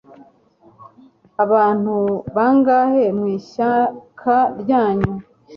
abantu bangahe mu ishyaka ryanyu